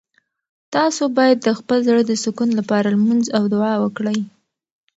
تاسو باید د خپل زړه د سکون لپاره لمونځ او دعا وکړئ.